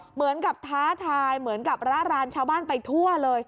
ท้าทายเหมือนกับระรานชาวบ้านไปทั่วเลย